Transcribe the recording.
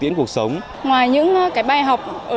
quyền con người là những điều dễ hiểu